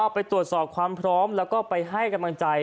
ไปตรวจสอบความพร้อมแล้วก็ไปให้กำลังใจ